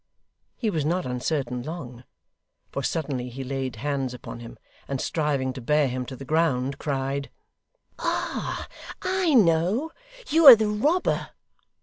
He was not uncertain long, for suddenly he laid hands upon him, and striving to bear him to the ground, cried: 'Ah! I know! You are the robber!